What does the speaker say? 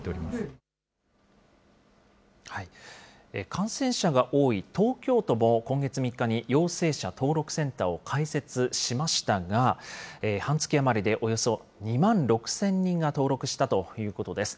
感染者が多い東京都も今月３日に陽性者登録センターを開設しましたが、半月余りでおよそ２万６０００人が登録したということです。